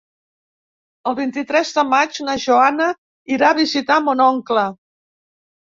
El vint-i-tres de maig na Joana irà a visitar mon oncle.